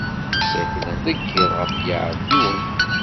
Ssaklen deg iḍ ɣef yiɛidiwen.